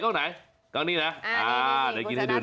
กล้องนี้นะเดี๋ยวกินให้ดู